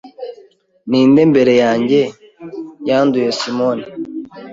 Ninde mbere yanjye yanduye simoni